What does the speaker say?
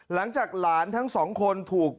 หลังจากหลานทั้งสองคนถูก